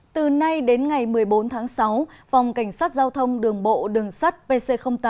từ nay đến ngày một mươi bốn tháng sáu phòng cảnh sát giao thông đường bộ đường sắt pc tám